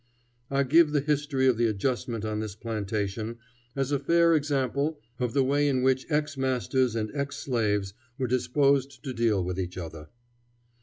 I give the history of the adjustment on this plantation as a fair example of the way in which ex masters and ex slaves were disposed to deal with each other.